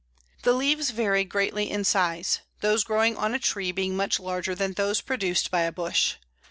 ] The leaves vary greatly in size, those growing on a tree being much larger than those produced by a bush.